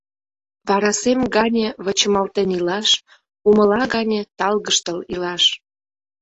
Варасем гане вычымалтен илаш, умыла гане талгыштыл илаш…